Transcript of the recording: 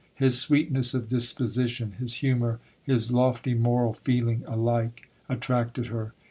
His sweetness of disposition, his humour, his lofty moral feeling, alike attracted her.